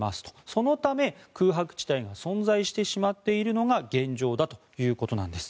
そのため空白地帯が存在してしまっているのが現状だということです。